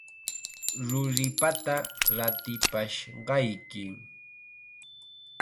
Ruripata ratipashqayki.